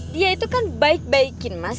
dia itu kan baik baikin mas